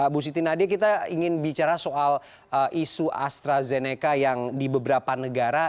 bu siti nadia kita ingin bicara soal isu astrazeneca yang di beberapa negara